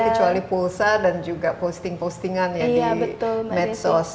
kecuali pulsa dan juga posting postingan ya di medsos